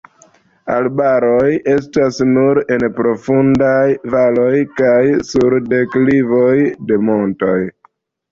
Arbaroj estas nur en profundaj valoj kaj sur deklivoj de montoj.